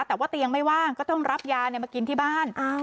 แต่ว่าเตียงไม่ว่างก็ต้องรับยามากินที่บ้าน